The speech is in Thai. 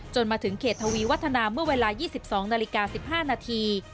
มาถึงเขตทวีวัฒนาเมื่อเวลา๒๒นาฬิกา๑๕นาที